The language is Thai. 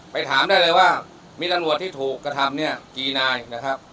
ถามได้เลยว่ามีตำรวจที่ถูกกระทำเนี่ยกี่นายนะครับ